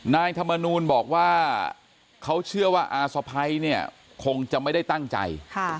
นายธรรมนูลบอกว่าเขาเชื่อว่าอาสะพัยเนี่ยคงจะไม่ได้ตั้งใจ